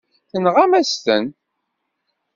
Tenɣam-asen-ten.